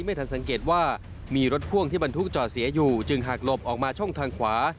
ไม่ทันสังเกตว่ามีรถพ่วงที่บรรทุกจอดเสียอยู่จึงหากหลบออกมาช่องทางขวา